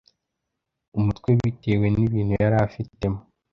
umutwebitewe nibintu yari afitemo